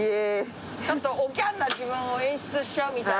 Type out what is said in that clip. ちょっとおきゃんな自分を演出しちゃうみたい。